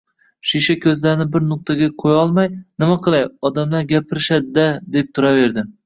shisha ko‘zlarini bir nuqtaga qo‘yolmay “nima qilay, odamlar gapirishadi-da!” – deb turaveradi.